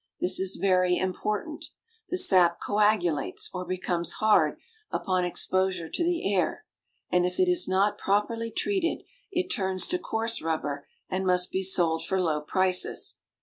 This is very important. The sap coagulates, or becomes hard, upon exposure to the air, and if it is not properly treated it turns to coarse rub ber and must be sold for low prices.